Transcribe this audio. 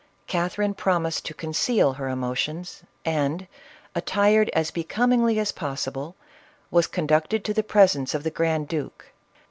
Catherine promised .to conceal her emotions, and attired as becomingly as pos sible, was conducted to the presence of the grand duke.